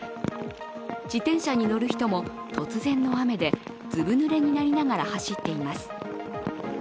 自転車に乗る人も、突然の雨でずぶ濡れになりながら走っています。